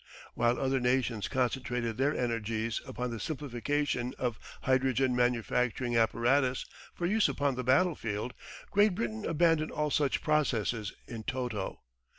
While other nations concentrated their energies upon the simplification of hydrogen manufacturing apparatus for use upon the battle field, Great Britain abandoned all such processes in toto.